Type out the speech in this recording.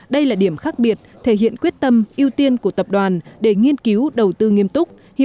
đây là điểm khác biệt thể hiện quyết tâm ưu tiên của tập đoàn để nghiên cứu đầu tư nghiêm túc